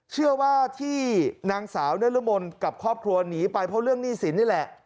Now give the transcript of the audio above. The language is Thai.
เชื่อว่าที่นางสาวนรมนกับครอบครัวหนีไปเพราะเรื่องหนี้สินนี่แหละ